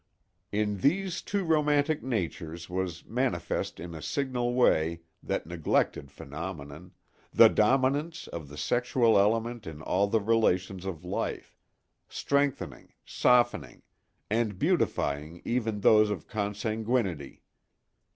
In these two romantic natures was manifest in a signal way that neglected phenomenon, the dominance of the sexual element in all the relations of life, strengthening, softening, and beautifying even those of consanguinity.